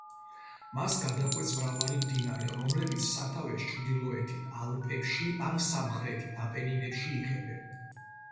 მას გადაკვეთს მრავალი მდინარე, რომლებიც სათავეს ჩრდილოეთით, ალპებში ან სამხრეთით, აპენინებში იღებენ.